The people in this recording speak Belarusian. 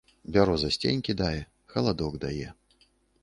Бяроза сцень кідае, халадок дае.